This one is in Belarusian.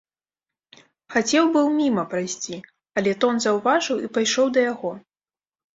Хацеў быў міма прайсці, але тон заўважыў і пайшоў да яго.